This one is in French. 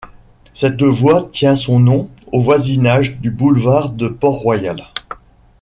Cette voie tient son nom au voisinage du boulevard de Port-Royal.